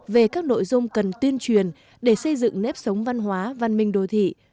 về các nội dung cần tuyên truyền để xây dựng nếp sống văn hóa văn minh đô thị